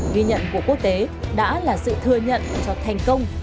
ghi nhận của quốc tế đã là sự thừa nhận